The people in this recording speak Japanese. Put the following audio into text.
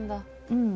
うん！